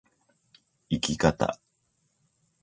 生き方